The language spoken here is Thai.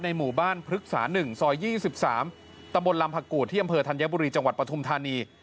หมู่บ้านพฤกษา๑ซอย๒๓ตำบลลำผักกูธที่อำเภอธัญบุรีจังหวัดปฐุมธานี